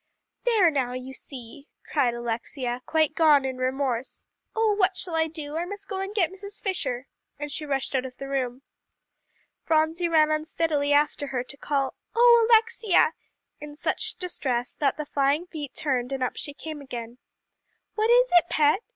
"There now, you see," cried Alexia, quite gone in remorse. "Oh, what shall I do? I must go and get Mrs. Fisher," and she rushed out of the room. Phronsie ran unsteadily after her, to call, "Oh Alexia!" in such distress that the flying feet turned, and up she came again. "What is it, Pet?"